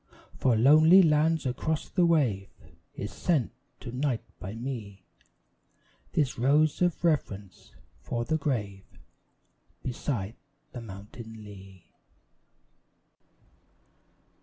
From lonely lands across the wave Is sent to night by me This rose of reverence for the grave Beside the mountain lea.